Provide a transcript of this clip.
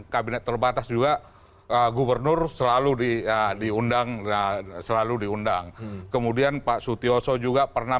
kabinet terbatas juga gubernur selalu diundang selalu diundang kemudian pak sutioso juga pernah